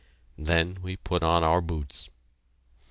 Then we put on our boots.